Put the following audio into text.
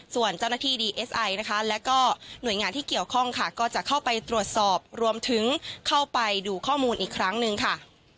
ส่วนเจ้าหน้าที่ดีเอสไอนะคะแล้วก็หน่วยงานที่เกี่ยวข้องค่ะก็จะเข้าไปตรวจสอบรวมถึงเข้าไปดูข้อมูลอีกครั้งหนึ่งค่ะ